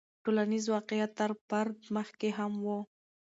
ټولنیز واقعیت تر فرد مخکې هم و.